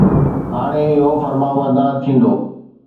هاڻي اهو فرمانبردار ٿيندو.